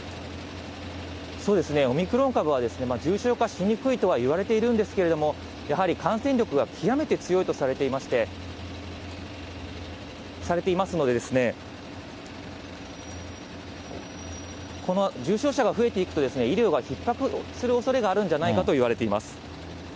オミクロン株は重症化しにくいとはいわれてはいるんですけれども、やはり感染力が極めて強いとされていますので、重症者が増えていくと、医療がひっ迫するおそれがあるんじゃないかといわれています。